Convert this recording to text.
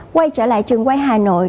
quay trở lại trường quay hà nội